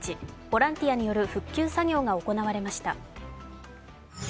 ボランティアによる復旧作業が行われました。